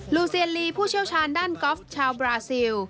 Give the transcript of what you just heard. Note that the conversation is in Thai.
ูเซียนลีผู้เชี่ยวชาญด้านกอล์ฟชาวบราซิล